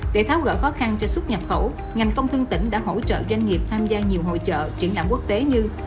để tháo gỡ khó khăn cho xuất nhập khẩu ngành công thương tỉnh đã hỗ trợ doanh nghiệp tham gia nhiều hội trợ triển lãm quốc tế như